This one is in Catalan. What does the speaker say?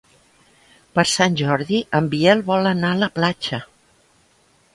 Per Sant Jordi en Biel vol anar a la platja.